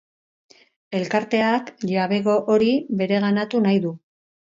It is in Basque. Elkarteak jabego hori bereganatu nahi du.